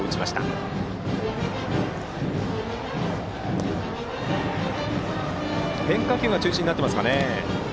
宮川は変化球が中心になっていますかね。